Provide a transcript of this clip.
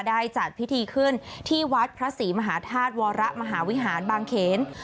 ได้จัดพิธีขึ้นที่วัดพระศรีมหาธาตุวรมหาวิหารบางเขน